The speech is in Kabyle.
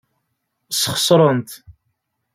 Sxeṣren-t.